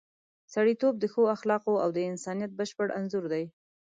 سړیتوب د ښو اخلاقو او د انسانیت بشپړ انځور دی.